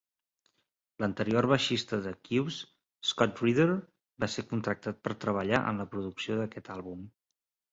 L'anterior baixista de Kyuss, Scott Reeder, va ser contractat per treballar en la producció d'aquest àlbum.